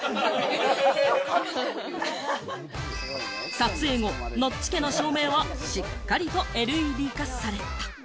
撮影後、ノッチ家の照明はしっかりとＬＥＤ化された。